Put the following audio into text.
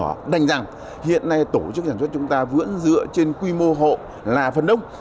nó đành rằng hiện nay tổ chức sản xuất chúng ta vưỡng dựa trên quy mô hộ là phần nông